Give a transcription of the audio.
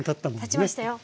たちましたよ。